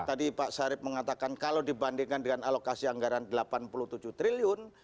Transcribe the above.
tadi pak sarip mengatakan kalau dibandingkan dengan alokasi anggaran rp delapan puluh tujuh triliun